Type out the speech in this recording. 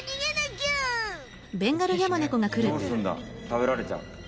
食べられちゃう。